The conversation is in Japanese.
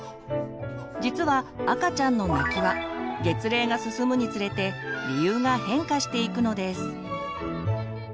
実は赤ちゃんの泣きは月齢が進むにつれて理由が変化していくのです。